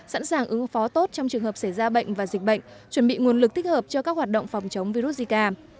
sẵn sàng ứng phó tốt trong trường hợp xảy ra bệnh và dịch bệnh chuẩn bị nguồn lực thích hợp cho các hoạt động phòng chống virus zika